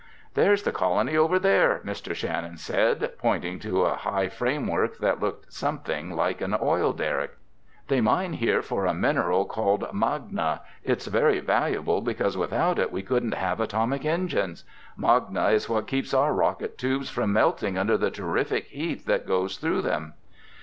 "There's the colony over there," Mr. Shannon said, pointing to a high framework that looked something like an oil derrick. "They mine here for a mineral called magna. It's very valuable, because without it we couldn't have atomic engines. Magna is what keeps our rocket tubes from melting under the terrific heat that goes through them."